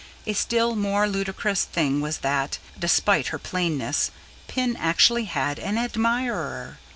A still more ludicrous thing was that, despite her plainness, Pin actually had an admirer.